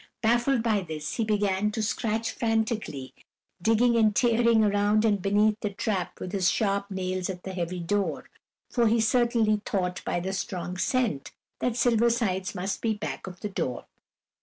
Baffled by this, he began to scratch frantically, digging and tearing around and beneath the trap with his sharp nails at the heavy door, for he certainly thought, by the strong scent, that Silver Sides must be back of the door.